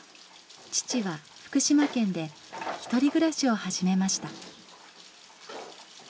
父は福島県で一人暮らしを始めました。